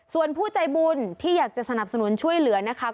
ส่วนผู้ใจบุญที่อยากจะสนับสนุนช่วยเหลือนะคะ